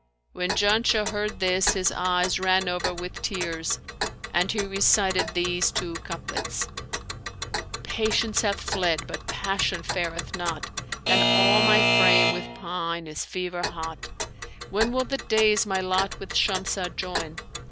When Janshah heard this his eyes ran over with tears and he recited these two couplets, 'Patience hath fled, but passion fareth not; * And all my frame with pine is fever hot: When will the days my lot with Shamsah join?